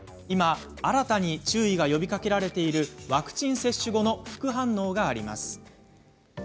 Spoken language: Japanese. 今、新たに注意が呼びかけられているワクチン接種後の副反応があります。